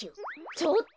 ちょっと！